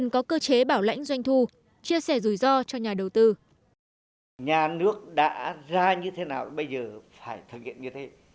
cơ chế bảo lãnh doanh thu chia sẻ rủi ro cho nhà đầu tư